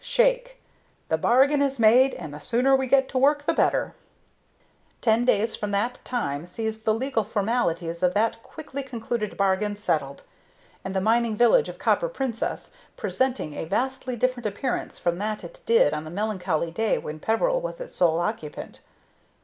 Shake. The bargain is made, and the sooner we get to work the better." Ten days from that time sees the legal formalities of that quickly concluded bargain settled, and the mining village of Copper Princess presenting a vastly different appearance from what it did on the melancholy day when Peveril was its sole occupant.